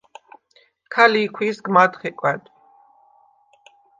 ქა ლი̄ქუ̂ისგ მად ხეკუ̂ა̈დ.